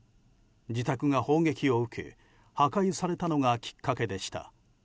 自宅が砲撃を受け破壊されたのがきっかけでした。